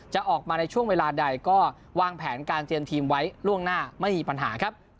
จะออกมาในช่วงเวลาใดก็วางแผนการเตรียมทีมไว้ล่วงหน้าไม่มีปัญหาครับ